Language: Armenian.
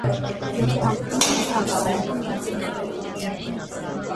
Յոթ փամփուշտների փամփշտատուփը միացել է վերևից։